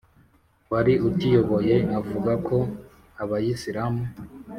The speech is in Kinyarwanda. wari ukiyoboye avuga ko abayisilamu